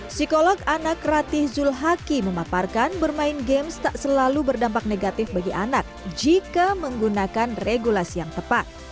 psikolog anak rati zulhaki memaparkan bermain games tak selalu berdampak negatif bagi anak jika menggunakan regulasi yang tepat